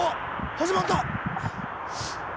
始まった！